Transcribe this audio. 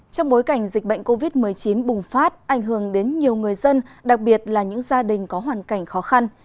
trong bối cảnh dịch bệnh covid một mươi chín bùng phát ảnh hưởng đến nhiều người dân đặc biệt là những gia đình có hoàn cảnh khó khăn